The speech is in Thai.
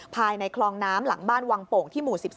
ภายในคลองน้ำหลังบ้านวังโป่งที่หมู่๑๒